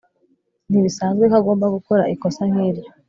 Ntibisanzwe ko agomba gukora ikosa nkiryo